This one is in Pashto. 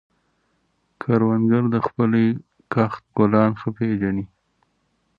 کروندګر د خپلې کښت ګلان ښه پېژني